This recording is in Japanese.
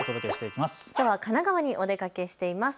きょうは神奈川にお出かけしています。